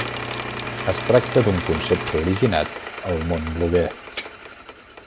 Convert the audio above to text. Es tracta d'un concepte originat al món bloguer.